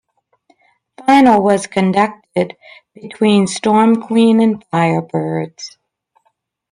Final was conducted between Storm Queen and Fire Birds.